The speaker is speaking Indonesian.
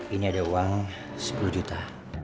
ini ada uang sepuluh juta